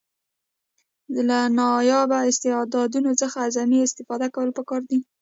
له نایابه استعدادونو څخه اعظمي استفاده کول پکار دي.